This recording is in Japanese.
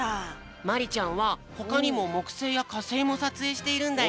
まりちゃんはほかにももくせいやかせいもさつえいしているんだよ！